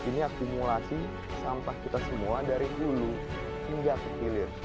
ini akumulasi sampah kita semua dari hulu hingga ke hilir